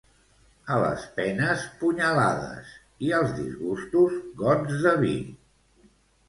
A les penes, punyalades, i als disgustos, gots de vi